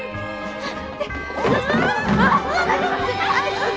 あっ。